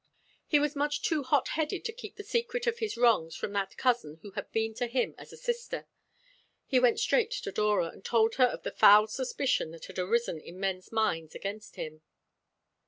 He was much too hot headed to keep the secret of his wrongs from that cousin who had been to him as a sister. He went straight to Dora, and told her of the foul suspicion that had arisen in men's minds against him.